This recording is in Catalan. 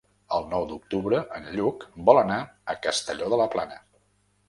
El nou d'octubre en Lluc vol anar a Castelló de la Plana.